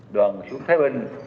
đoàn xuống thái bình